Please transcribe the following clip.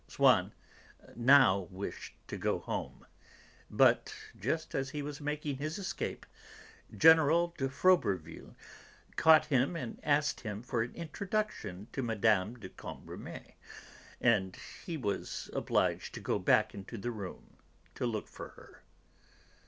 Swann now wished to go home, but, just as he was making his escape, General de Froberville caught him and asked for an introduction to Mme. de Cambremer, and he was obliged to go back into the room to look for her.